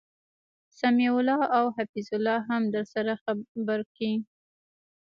سمیع الله او حفیظ الله هم درسره خبرکی